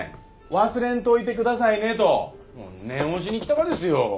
忘れんといてくださいねと念押しに来たがですよ。